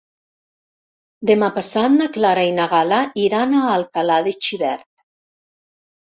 Demà passat na Clara i na Gal·la iran a Alcalà de Xivert.